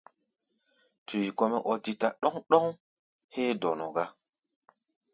Tui kɔ́-mɛ́ ɔ́ dítá ɗɔ́ŋ-ɗɔ́ŋ héé dɔnɔ gá.